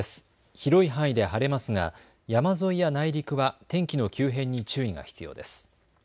広い範囲で晴れますが山沿いや内陸は天気の急変に注意が必要です。